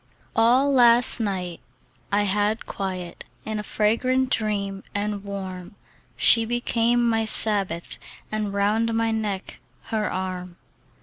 ALL last night I had quiet In a fragrant dream and warm: She became my Sabbath, And round my neck, her arm.